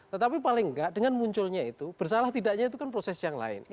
tetapi paling nggak dengan munculnya itu bersalah tidaknya itu kan proses yang lain